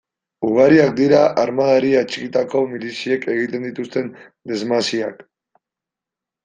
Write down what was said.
Ugariak dira armadari atxikitako miliziek egiten dituzten desmasiak.